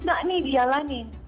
sudah nih dialani